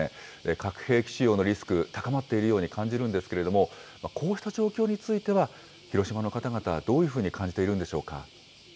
核兵器使用のリスク、高まっているように感じるんですけれども、こうした状況については、広島の方々はどういうふうに感じているんでしょうか。